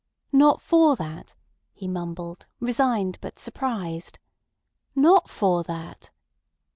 "Not for that?" he mumbled, resigned but surprised. "Not for that?"